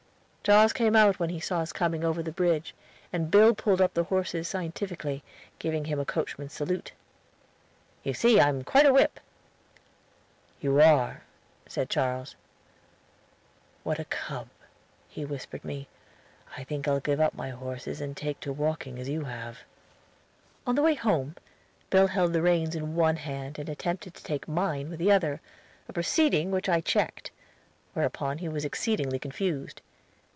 Charles came out when he saw us coming over the bridge, and Bill pulled up the horses scientifically, giving him a coachman's salute. "You see I am quite a whip." "You are," said Charles. "What a cub!" he whispered me. "I think I'll give up my horses and take to walking as you have." On the way home Bill held the reins in one hand and attempted to take mine with the other, a proceeding which I checked, whereupon he was exceedingly confused.